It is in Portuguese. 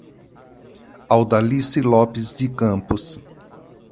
Audalice Lopes de Campos